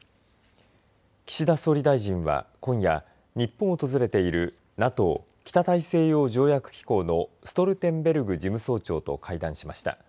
岸田総理大臣は今夜日本を訪れているＮＡＴＯ北大西洋条約機構のストルテンベルグ事務総長と会談しました。